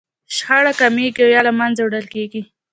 شخړه کمیږي او يا له منځه وړل کېږي.